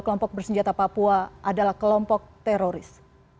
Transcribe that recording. kelompok bersenjata papua adalah kelompok teroris